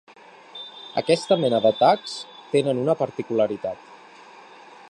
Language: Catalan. Aquesta mena d’atacs tenen una particularitat.